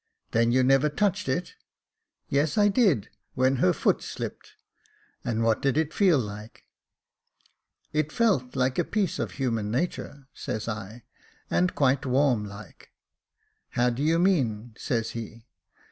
' Then you never touched it ?'* Yes, I did, when her foot slipped.' ' And what did it feel like ?' 'It felt like a piece of human natur,' says I, * and quite warm like.' ' How do you mean? ' says he.